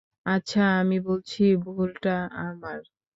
আচ্ছা, আমি বলছি ভুলটা আমার।